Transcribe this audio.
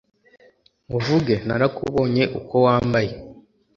nkuvuge narakubonyeuko wambaye